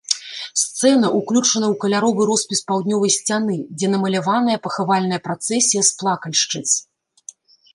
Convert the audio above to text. Сцэна ўключана ў каляровы роспіс паўднёвай сцяны, дзе намаляваная пахавальная працэсія з плакальшчыц.